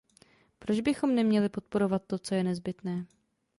Proč bychom neměli podporovat to, co je nezbytné?